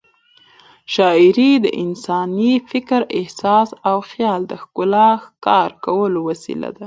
شاعري د انساني فکر، احساس او خیال د ښکلا ښکاره کولو وسیله ده.